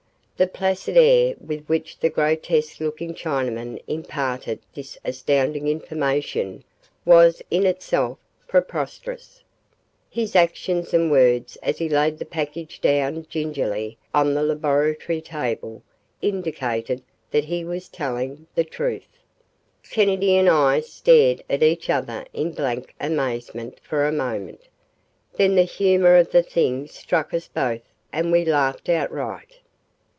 The placid air with which the grotesque looking Chinaman imparted this astounding information was in itself preposterous. His actions and words as he laid the package down gingerly on the laboratory table indicated that he was telling the truth. Kennedy and I stared at each other in blank amazement for a moment. Then the humor of the thing struck us both and we laughed outright.